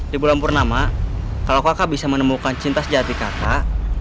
di bulan purnama kalau kakak bisa menemukan cinta sejati kakak